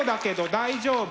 大丈夫。